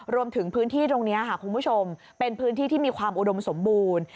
รวมถึงพื้นที่ตรงนี้ค่ะคุณผู้ชมเป็นพื้นที่ที่มีความอุดมสมบูรณ์